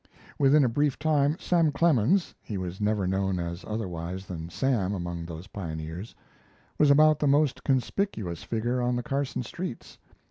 Within a brief time Sam Clemens (he was never known as otherwise than "Sam" among those pioneers) was about the most conspicuous figure on the Carson streets.